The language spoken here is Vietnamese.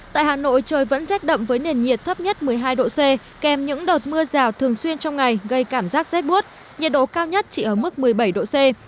tại hà nội trời vẫn rét đậm với nền nhiệt thấp nhất một mươi hai độ c kèm những đợt mưa rào thường xuyên trong ngày gây cảm giác rét bút nhiệt độ cao nhất chỉ ở mức một mươi bảy độ c